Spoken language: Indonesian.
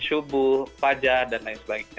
subuh fajar dan lain sebagainya